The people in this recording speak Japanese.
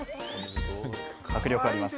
迫力あります！